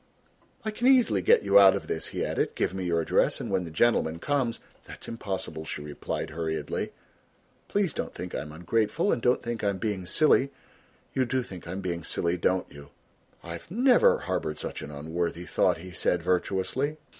"I can easily get you out of this," he added; "give me your address and when the gentleman comes " "That is impossible," she replied hurriedly. "Please don't think I'm ungrateful, and don't think I'm being silly you do think I'm being silly, don't you!" "I have never harboured such an unworthy thought," he said virtuously.